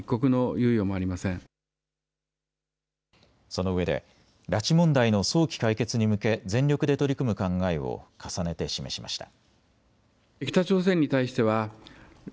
そのうえで拉致問題の早期解決に向け全力で取り組む考えを重ねて示しました。